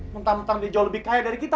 mentang mentang dia jauh lebih kaya dari kita